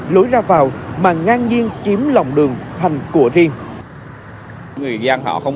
lối ra vào mà ngang nhiên chiếm lòng đường thành của riêng họ